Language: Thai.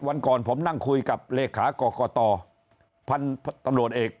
วันก่อนผมนั่งคุยกับเลขากรกตพันธุ์ตำรวจเอก